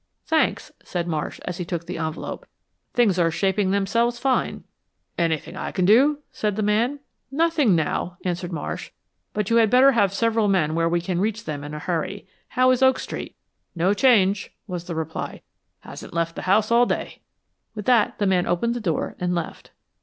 "Thanks," said Marsh as he took the envelope. "Things are shaping themselves fine." "Anything I can do?" asked the man. "Nothing now," answered Marsh, "but you had better have several men where we can reach them in a hurry. How is Oak Street?" "No change," was the reply. "Hasn't left the house all day." With that the man opened the door and left.